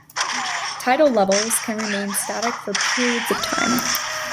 Tidal levels can remain static for periods of time.